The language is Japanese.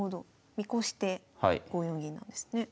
見越して５四銀なんですね。